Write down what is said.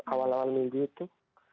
awal awal minggu itu